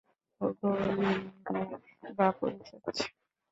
ওগো, অর্জুনের গা পুড়ে যাচ্ছে।